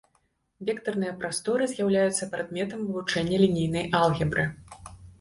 Вектарныя прасторы з'яўляюцца прадметам вывучэння лінейнай алгебры.